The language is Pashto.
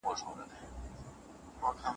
ټولنیز نهاد د ټولنې د اړتیاوو د تنظیم وسیله ده.